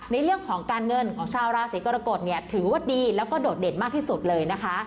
ในเรื่องของการเงินของชาวราศีกรกฎเนี่ยถือว่าดีแล้วก็โดดเด่นมากที่สุดเลยนะคะ